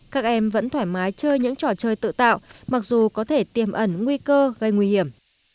các em vẫn thoải mái chơi những trò chơi tự tạo mặc dù có thể tiềm ẩn nguy cơ gây nguy hiểm